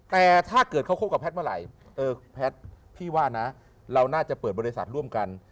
แต่ถ้าเกิดเขาคบกับแพทย์เมื่อไหร่เออแพทย์พี่ว่านะเราน่าจะเปิดบริษัทร่วมกัน